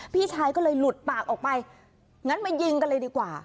พี่ชายก็เลยหลุดปากออกไปงั้นมายิงกันเลยดีกว่า